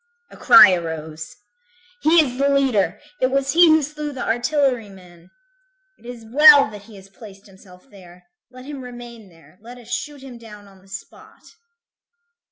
A cry arose: "He is the leader! It was he who slew the artillery man. It is well that he has placed himself there. Let him remain there. Let us shoot him down on the spot."